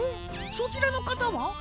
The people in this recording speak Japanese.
そちらのかたは？